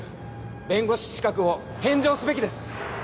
弁護士資格を返上すべきです。